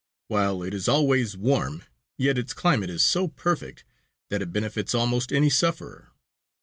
While it is always warm, yet its climate is so perfect that it benefits almost any sufferer.